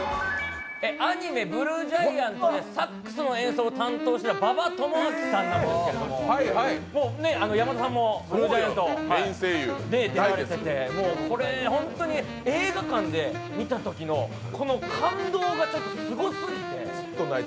アニメ「ＢＬＵＥＧＩＡＮＴ」でサックスの演奏を担当した馬場智章さんなんですが、山田さんも「ＢＬＵＥＧＩＡＮＴ」に出られててこれ、本当に映画館で見たときの感動がすごすぎて。